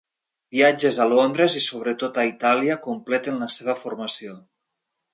Viatges a Londres i sobretot a Itàlia completen la seva formació.